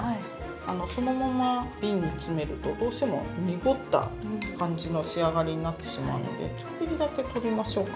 そのまま瓶に詰めるとどうしても濁った感じの仕上がりになってしまうのでちょっぴりだけ取りましょうか。